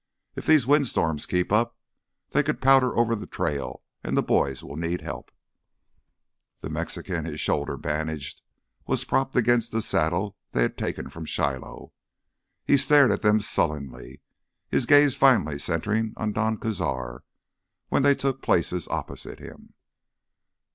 If these wind storms keep up, they could powder over the trail and the boys will need help." The Mexican, his shoulder bandaged, was propped up against the saddle they had taken from Shiloh. He stared at them sullenly, his gaze finally centering on Don Cazar when they took places opposite him.